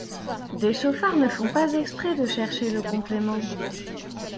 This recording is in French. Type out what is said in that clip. Des chauffards ne font pas exprès de chercher le complément!